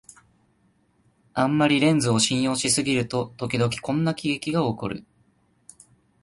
あんまりレンズを信用しすぎると、ときどきこんな喜劇がおこる